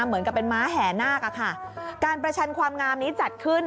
เหมือนกับเป็นม้าแห่นาคอะค่ะการประชันความงามนี้จัดขึ้น